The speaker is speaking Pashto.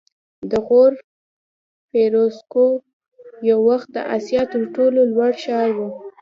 د غور فیروزکوه یو وخت د اسیا تر ټولو لوړ ښار و